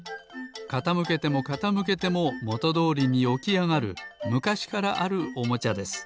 かたむけてもかたむけてももとどおりにおきあがるむかしからあるおもちゃです。